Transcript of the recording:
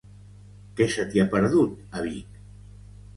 Què se t'hi ha perdut, a Vic?